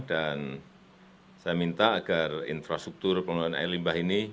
saya minta agar infrastruktur pengelolaan air limbah ini